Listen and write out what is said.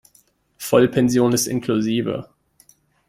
Vollpension ist inklusive.